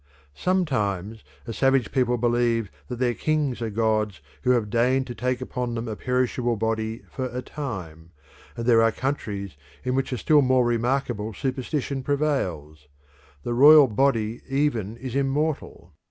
Sometimes a savage people believe that their kings are gods who have deigned to take upon them a perishable body for a time, and there are countries in which a still more remarkable superstition prevails. The royal body even is immortal.